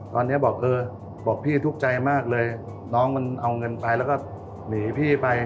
ตอนนี้บอกเออบอกพี่ทุกข์ใจมากเลยน้องมันเอาเงินไปแล้วก็หนีพี่ไป